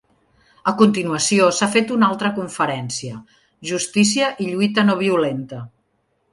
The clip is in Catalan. A continuació s’ha fet una altra conferència: Justícia i lluita no violenta.